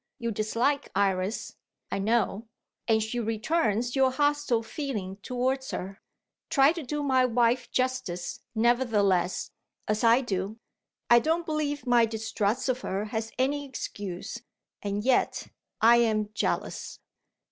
You dislike Iris, I know and she returns your hostile feeling towards her. Try to do my wife justice, nevertheless, as I do. I don't believe my distrust of her has any excuse and yet, I am jealous.